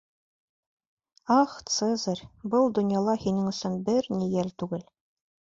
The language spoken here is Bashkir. Ах, Цезарь, был донъяла һинең өсөн бер ни йәл түгел!